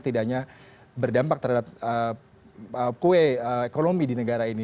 tidak hanya berdampak terhadap kue ekonomi di negara ini